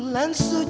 kami akan mencoba